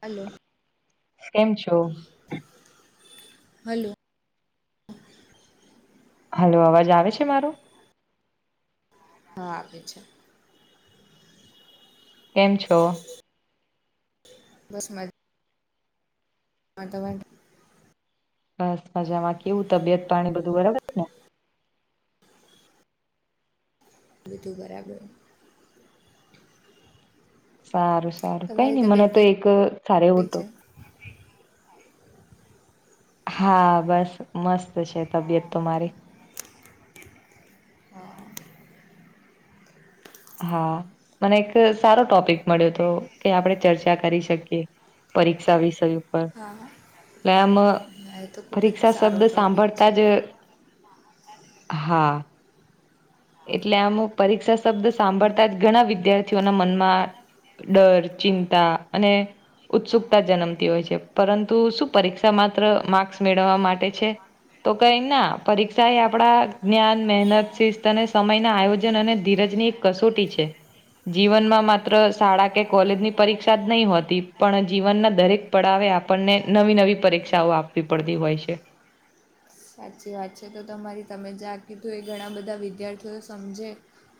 હાલો કેમ છો? Hello hello અવાજ આવે છે મારો. હા આવે છે. કેમ છો. બસ મજા. [inaudible] બસ મજામાં કેવું તબિયત પાણી બધું બરાબર ને? બધું બરાબર. સારું સારું કઈ તમારી નહી મને તબિયત તો એક સારો એવો કેવી તો. છે હા બસ મસ્ત છે તબિયત તો મારી. હા. હા મને એક સારો ટોપિક મળ્યો હતો કે આપણે ચર્ચા કરી શકીએ. પરીક્ષા વિષય. હા એમ હા એ તો ખૂબ જ પરીક્ષા સારો શબ્દ ટૉપિક છે સાંભળતા જ. [inaudible] હા. એટલે આમ પરીક્ષા શબ્દ સાંભળતા જ ઘણા વિદ્યાર્થીઓના મનમાં ડર, ચિંતા અને ઉત્સુકતા જન્મતી હોય છે પરંતુ શું પરીક્ષા માત્ર માર્ક્સ મેળવવા માટે છે. તો કઈ ના પરીક્ષા એ આપડા જ્ઞાન, મહેનત, શિસ્ત તને સમયના આયોજન અને ધીરજની એક કસોટી છે. જીવનમાં માત્ર શાળા કે કોલેજની પરીક્ષા જ નહીં હોતી પણ જીવનના દરેક પડાવે આપણને નવી નવી પરીક્ષાઓ આપવી પડતી હોય છે. સાચી વાત છે તો તમારી તમે જ કીધું એ ઘણા બધા વિદ્યાર્થીઓ સમજે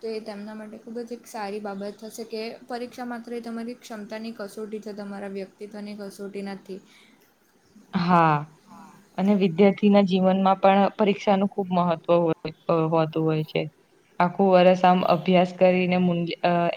તો એ તેમના માટે ખૂબ જ એક સારી બાબત હશે કે પરીક્ષા માત્ર તમારી ક્ષમતાની કસોટી છે તમારા વ્યક્તિત્વની કસોટી નથી હા. અને વિદ્યાર્થીના જીવનમાં પણ પરીક્ષાનું ખુબ મહત્વ હોય હોતું હોય છે. આખું વર્સ આમ અભ્યાસ કરીને મ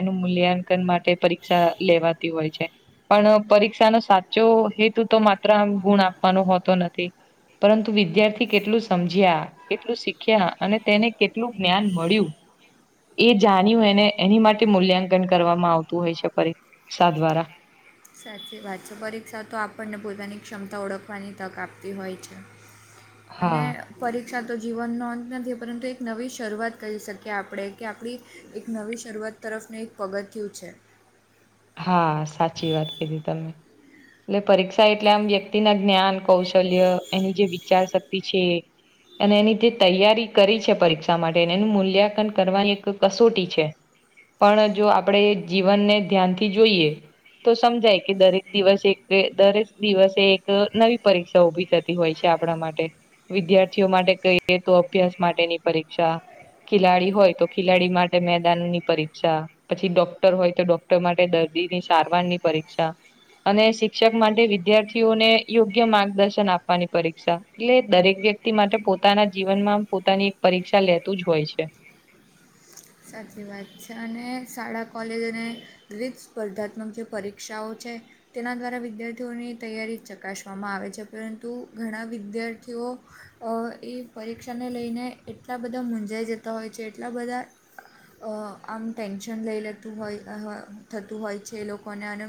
એનું મૂલ્યાંકન માટે પરીક્ષા લેવા તી હોય છે પણ પરીક્ષા નો સાચો હેતુ તો માત્ર પત્ર ગુણ આપવાનો હોતો નથી. પરંતુ વિદ્યાર્થી કેટલું સમજ્યા કેટલું શીખ્યા અને તેને કેટલું જ્ઞાન મળ્યું. એ જાણ્યું એને એની માટે મૂલ્યાંકન કરવામાં આવતું હોય છે, પરીક્ષા દ્વારા સાચી વાત છે પરીક્ષા તો આપણને પોતાની ક્ષમતા ઓળખવાની તક આપતી હોય છે. [inaudible] અને. પરીક્ષા તો જીવનનો અંત નથી પરંતુ એક નવી શરૂઆત કરી શકીએ આપણે કે આપણી એક નવી શરૂઆત તરફને એક પગથિયું છે. હા સાચી વાત કીધી તમે. એટલે પરીક્ષા એટલે આમ વ્યક્તિના જ્ઞાન કૌશલ્ય એની જે વિચાર શક્તિ છે. અને એની રીતે તૈયારી કરી છે પરીક્ષા માટે એનું મૂલ્યાંકન કરવાની એક કસોટી છે. પણ જો આપણેે જીવનને ધ્યાનથી જોઈએ. તો સમજાય કે દરેક દિવસે દરેક દિવસે એક નવી પરીક્ષા ઉભી. થતી હોય છે આપણા માટે વિદ્યાર્થીઓ માટે કહીએ તો અભ્યાસ માટેની પરીક્ષા ખિલાડી હોય તો ખિલાડી માટે મેદાનની પરીક્ષા પછી ડોક્ટર હોય તો ડોક્ટર માટે તે દર્દી ની સારવાર ની પરીક્ષા અને શિક્ષક માટે વિદ્યાર્થીઓને યોગ્ય માર્ગદર્શન આપવાની પરીક્ષા એટલે દરેક વ્યક્તિ માટે પોતાના જીવનમાં પોતાની એક પરીક્ષા લેતું જ હોય છે. સાચી વાત છે, અને શાળા કોલેજને દરેક સ્પર્ધાત્મક જે પરીક્ષાઓ છે. તેના કારણે વિદ્યાર્થીઓને તૈયારી ચકાસવામાં આવે છે પરંતુ ઘણા વિદ્યાર્થીઓ એ પરીક્ષાને લઈને એટલા બધા મૂંઝાઈ જતા હોય છે એટલા બધા. [inaudible] આમ ટેન્શન લઈ લેતું હોય થતું હોય છે એ લોકોને અને.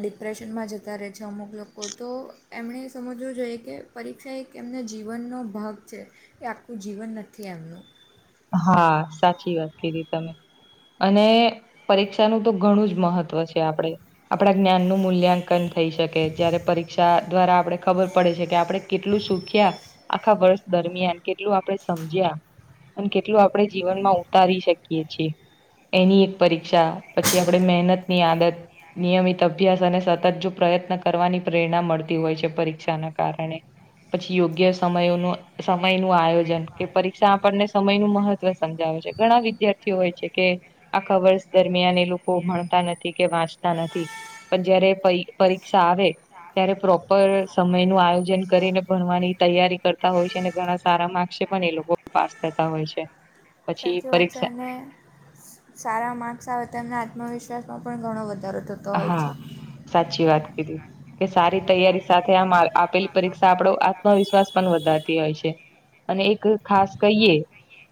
ડિપ્રેશનમાં જતા રહે છે અમુક લોકો તો એમણે સમજવું જોઈએ કે. પરીક્ષા એક એમના જીવનનો ભાગ છે, એ આખું જીવન નથી એમનું. હા સાચી વાત કી તમે અને. પરીક્ષાનુંતો ઘણું જ મહત્વ છે, આપડે. આપણા જ્ઞાન નું મૂલ્યાંકન થઈ શકે જય્યારે પરીક્ષા દ્વારા આપણે ખબર પડે છે કે આપણે. કેટલું સુખ્યા આખા વર્ષ દરમિયાન કેટલું આપડે સમજ્યા. અને કેટલું આપડે જીવન માં ઉતારી શકીએ છીએ. એની એક પરીક્ષા પછી આપણે મહેનત ની આદત. નિયમિત અભ્યાસ અને સતત જો પ્રયત્ન કરવાની પ્રેરણા મળતી હોય છે પરીક્ષાના કારણે. પછી યોગ્ય સમનું સમય નું આયોજન કે પરીક્ષા આપણને. સમય નું મહત્વ સમજાવે છે ઘણા વિદ્યાર્થીઓ હોય છે, કે. આ કવર્સ દરમિયાન એ લોકો ભણતા નથી કે વાંચતા નથી. પણ જયારે પરીક્ષા આવે. ત્યારે પ્રોપર સમય નું આયોજન કરીને ભણવાની તૈયારી કરતા હોય છે અનેને ઘણા. સારા માર્કસે પણ એ લોકો પાસ થતા હોય છે. પછી સાચી વાત છે પરીક્ષા અને. સારા માર્ક્સ આવેતાના આત્મવિશ્વાસમાં પણ ઘણો વધારો થતો. હોય હા છે સાચી વાત કીધ. કે સારી તૈયારી સાથે આમ આપેલી પરીક્ષા આપણો આત્મવિશ્વાસ પણ વધારતી હોય છે. અને એક ખાસ કહીએ.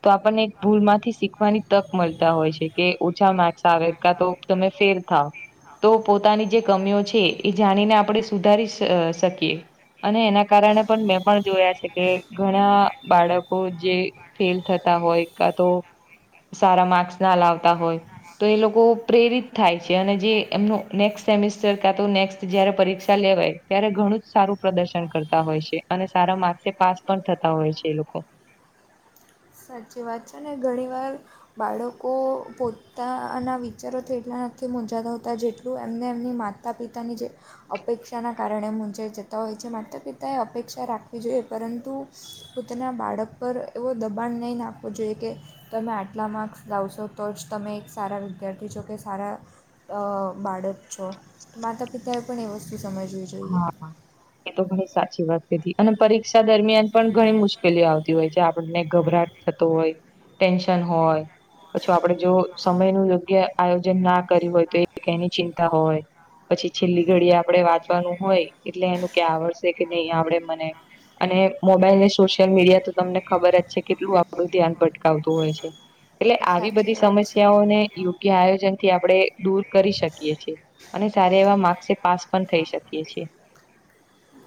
તો આપણને ભૂલમાંથી શીખવાની તક મળતા હોય છે કે ઓછા માર્ક્સ આવે તો. તમે ફેર થ. તો પોતાની જે કમીઓ છે એ જાણીને આપણે સુધારી શકીએ. અને એના કારણે પણ મેં પણ જોયા છે કે ઘણા બાળકો જે. ફેલ થતા હોય કા તો. સારા માર્ક્સ ના લાવતા હોય તો એ લોકો પ્રેરિત થાય છે અને જે એમનું નેક્સ્ટ સેમિસ્ટર ક તો નેક્સ્ટ જયારે પરીક્ષા લેવાય ત્યારે ઘણું જ સારું પ્રદર્શન કરતા હોય છે. અને સારા માર્ક્સે પાસ પણ થતા હોય છે એ લોકો સાચી વાત છે ને ઘણી વાર બાળકો પોતાના વિચારોથી એટલા નથી મૂઝાતા હોતા જેટલું એમને એમની માતા ત પિતાની જે અપેક્ષાના કારણે મુંજાઈ જતા હોય છે માતા પિતાએ અપેક્ષા રાખવી જોઈએ પરંતુ. પોતાના બાળક પર એવો દબાણ નહીં નાખવો જોઈએ કે. તમે આટલા માર્ક્સ લાવશો તો જ તમે એક સારા વિદ્યાર્થી જોકે સારા. બાળક છો માતા પિતાએ પણ એ વસ્તુ સમજવી છે. હા. એ તો ઘણી સાચી વાત કીધી અને પરીક્ષા દરમિયાન પણ ઘણી મુશ્કેલીઓ આવતી હોય છે આપણને ગભરાટ. થત હોય ટેન્શન હોય. પછું આપડે જો સમય નું યોગ્ય આયોજન ના કર્યું હોય તો એ એની ચિંતા હોય. પછી છેલ્લી ઘડી આપડણે વાંચવાનું હોય એટલે એનું ક્યા આવડશે કે નહી આપડે મને. અને મોબાઈલ અનેને સોશિયલ મીડિયા તો તમને ખબર જ છે કેટલું આપણું ધ્યાન ભટકાવતું હોય છે. એટલે આવી સાચી બધી વાત છે. સમસ્યાઓ ને. યોગ્ય આયોજન થી આપણેે દૂર કરી શકીએ છએ અને સારા એવા માર્ક્સે પાસ પણ થઈ શકે. કી છે.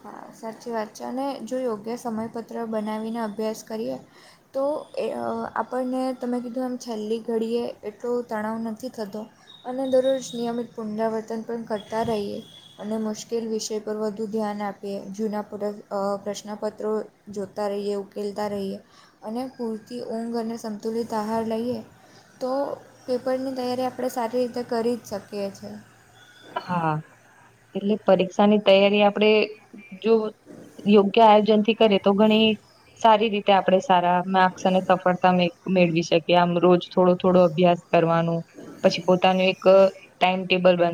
હા સાચી વાત છે અને જો યોગ્ય સમયપત્ર બનાવીને અભ્યાસ કરીએ. તો એ આપણને તમે કીધું એમ છેલ્લી ઘડીએ એટલો તણાવ નથી થતો. અને દરરોજ નિયમિત પુનરાવર્તન પણ કરતા રહીએ અને મુશ્કેલ વિષય પર વધુ ધ્યાન આપે. આપ જૂના પૂર પ્રશ્નપત્રો જોતા રહીએ ઉકેલતા રહીએ. અને પૂરતી ઊંઘ અને સંતુલિત આહાર લઈએ. તો પેપરની તૈયારી આપણે સારી રીતે કરી જ શકીએ છીએ. હા એટલે પરીક્ષાની તૈયારી આપડે જો યોગ્ય આયોજન થી કરે તો ઘણી સારી રીતે આપણે સારા માર્સ અને સફળતા મેળવી શકીએ આમ રોજ. થોડો થોડો અભ્યાસ કરવાનું પછી પોતાનું એક ટાઈમટેબલ બન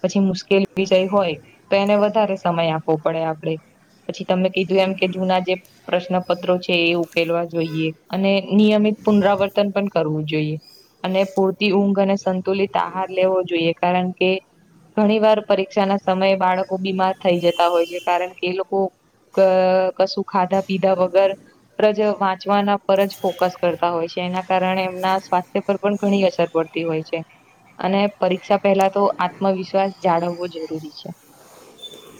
પછી મુશ્કેલી વિષય હોય તો એને વધારે સમય આપવો પડે આપડે. પછી તમને કીધું એમ કે જૂના જે પ્રશ્નપત્રો છે એ ઉકેલવા જોઈએ અને નિયમિત પુનરાવર્તન પણ કરવું જોઈએ. અને પૂરતી ઊંઘ અને સંતુલિત આહાર લેવો જોઈએ કારણ કે ઘણી વાર પરીક્ષા ના સમયે બાળકો બીમાર થઈ જતા હોય છે કારણ કે એ લોકો અ કશું ખાધા પીધા વગર વાંચવાના પર જ ફોકસ કરતા હોય છે એના કારણે એમના સ્વાસ્થ્ય ઘણી અસર પડતી હોય છે અને પરીક્ષા પહેલા તો આત્મવિશ્વાસ જાળવવો જરૂરી છે.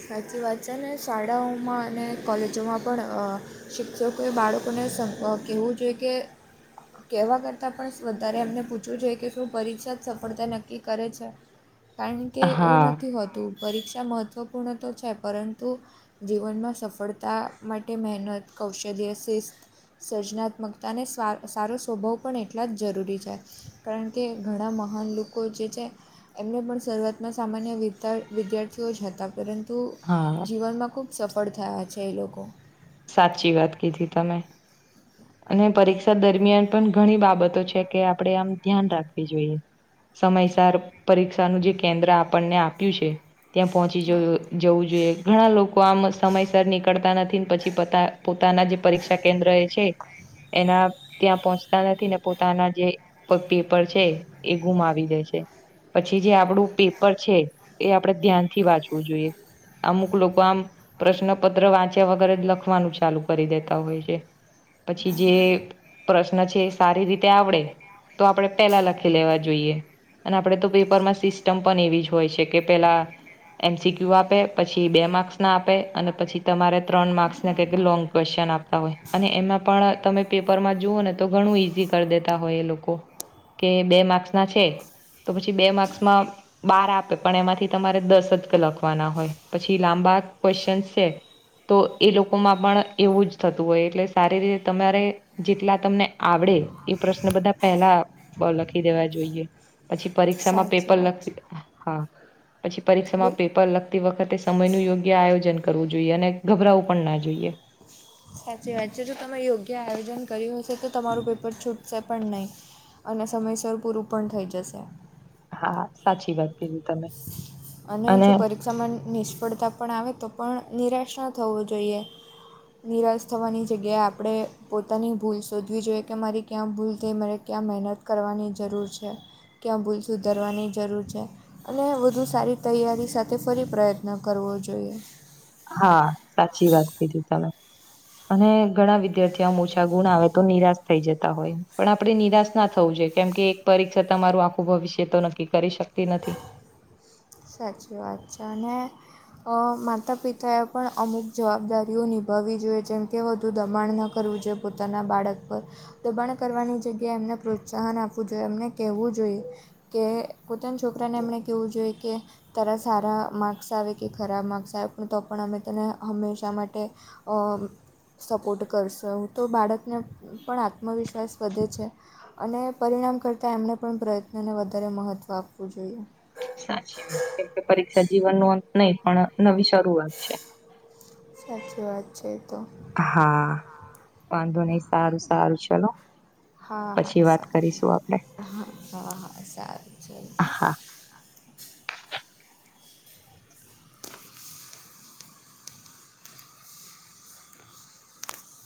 સાચી વાત છે ને શાળાઓમાં અને કોલેજોમાં પણ શિક્ષકોએ બાળકોને કહેવું જોઈએ કે કેવા કરતા પણ વધારે એમને પૂછવું જોઈ કે શું પરીક્ષા જ સફળતા નક્કી કરે છે. કારણ કે એવું હા નથી હોતું પરીક્ષા મહત્વપૂર્ણ તો છે પરંતુ જીવનમાં સફળતા માટે મહેનત, કૌશલ્ય, શિસ્ત સર્જનાત્મકતાને સ્વા સારો સ્વભાવ પણ એટલા જ જરૂરી છે. કારણ કે ઘણા મહાન લોકો જે છે. એમને પણ શરૂઆતમાં સામાન્ય વિ વિદ્યાર્થીઓ જ હતા. પરંતુ હા જીવનમાં ખૂબ સફળ થયા છે એ લોકો. સાચી વાત કીધી તમે અને પરીક્ષા દરમિયાન પણ ઘણી બાબતો છે કે આપડે આમ ધ્યાન રાખવી જોઈએ. સમયસર પરીક્ષાનું જે કેન્દ્ર આપણને આપ્યું છે ત્યાં પહોંચી હા જોયું. જવું જોઈએ ઘણા લોકો આમ સમયસર નીકળતા નથી પછી પોતાના જે પરીક્ષા કેન્દ્ર એ છે. એના ત્યાં પહોંચતા નથી ને પોતાના જે પેપર છે એ ગુમાવી દે છે. પછી જે આપડું પેપર છે એ આપણેે ધ્યાનથી વાંચવું જોઈએ. અમુક લોકો આમ પ્રશ્નપત્ર વાંચ્યા વગેરે જ લખવાનું ચાલુ કરી દેતા હોય છે. પછી જે પ્રશ્ન છે સારી રીતે આવડે. તો આપણે પેલા લખી લેવા જોઈએ. અને આપડે તો પેપરમાં સિસ્ટમ પણ એવી જ હોય છે કે પેલા એમસીક્યુ આપે પછી બે માર્ક્સના આપે અને પછી તમારે ત્રણ માર્ક્સ લોંગ ક્વેશ્ચન આપતા હોય. અને એમાં પણ તમે પેપર માં જુઓ ને તો ઘણું ઈઝી કરી દેતા હોય એ લોકો કે બે માર્ક્સ ના છે તો પછી બે માર્ક્સમાં બાર આપે પણ એમાંથી તમારે દસ જ લખવાના હોય પછી લાંબા ક્વેશ્ચન છે. તો એ લોકોમાં પણ એવું જ થતું હોય એટલે સારી રીતે તમારે જેટલા તમને આવડે એ પ્રશ્ન બધા પેલા લખી દેવા જોઈએ. પછી પરીક્ષામાં સાચી પેપર વાત લખી હા પછી છે પરીક્ષામાં બોલ પેપર લખ તી વખતે સમયનું યોગ્ય આયોજન કરવું જોઈએ અને ગભરાવું પણ ના જોઈએ. સાચી વાત છે જો તમે યોગ્ય આયોજન કર્યું હશે તો તમારું પેપર છૂટશે પણ નહીં. અને સમયસર પૂરું પણ થઈ જશે. હા સાચી વાત કીધી તમે અને સય નિષ્ફળતા પણ આવે તો પણ નિરાશ ન થવો જોઈએ. નિરાશ થવાની જગ્યાએ આપણે પોતાની ભૂલ શોધવી જોઈએ કે મારી ક્યાં ભૂલ થઈ મારે. ક્યાં મહેનત કરવાની જરૂર છે ક્યાં ભૂલ સુધરવાની જરૂર છે. અને વધુ સારી તૈયારી સાથે ફરી પ્રયત્ન કરવો જોઈએ. હા સાચી વાત કીધી તમે. અને ઘણા વિદ્યાર્થીઓ ઓછા ગુણ આવે તો નિરાશ થઈ જતા હોય પણ આપડે નિરાશ ના થવું જોઈએ. કેમ કે એક પરીક્ષા તમારું આખું ભવિષ્ય તો નક્કી કરી શકતી નથી. સાચી વાત છે ને. માતા પિતાએ પણ અમુક જવાબદારીઓ નિભાવવી જોઈએ જેમ કે વધુ દબાણ ન કરવું જોઈએ પોતાના બાળક પર. દબાણ કરવાની જગ્યાએ એમને પ્રોત્સાહન આપવું જોઈએ એમને કહેવું જોઈએ. કે પોતાના છોકરાને એમણે કહેવું જોઈએ કે તરા સારા માર્ક્સ આવે કે ખરાબ માર્ક્સ આવે પણ તો પણ અમે તને હંમેશા માટે અ. સપોર્ટ કરશો હું તો બાળકને પણ આત્મવિશ્વાસ વધે છે. અને પરિણામ કરતાં એમણે પણ પ્રયત્નને વધારે મહત્ત્વ આપવું જોઈએ. સાચી વાત કેમકે પરીક્ષા જીવન ન અંત નહી પણ નવી શરૂઆત છે. સાચી વાત છે. તો હા વાંધો નહી સારું સારું ચલોો. હા હા સારું આપડે હ હા હા સારું છે. હા [inaudible]